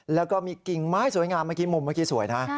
แล้วก็มีกิ่งไม้สวยงามมุมเมื่อกี้สวยนะฮะ